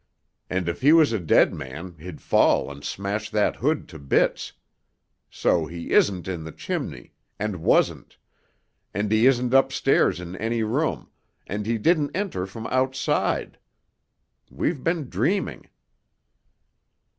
"And if he was a dead man, he'd fall and smash that hood to bits. So he isn't in the chimney—and wasn't—and he isn't upstairs in any room—and he didn't enter from outside. We've been dreaming."